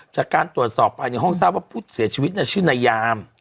จากการตรวจสอบภายในห้องทราบว่าผู้เสียชีวิตชื่อนายาม